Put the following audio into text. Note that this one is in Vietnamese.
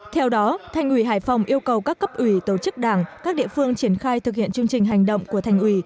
theo đó thành ủy hải phòng yêu cầu các cấp ủy tổ chức đảng các địa phương triển khai thực hiện chương trình hành động của thành ủy